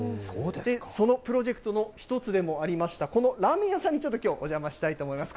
そのプロジェクトの一つでもありました、このラーメン屋さんにちょっときょう、お邪魔したいと思います。